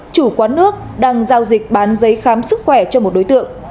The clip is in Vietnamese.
chủ quán nước đang giao dịch bán giấy khám sức khỏe cho một đối tượng